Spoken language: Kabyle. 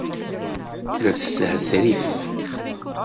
La teshetrif!